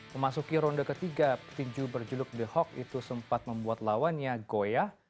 memasuki ronde ketiga petinju berjuluk the hawk itu sempat membuat lawannya goyah